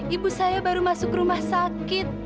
ibu saya baru masuk rumah sakit